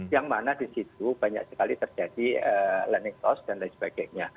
yang mana di situ banyak sekali terjadi learning cost dan lain sebagainya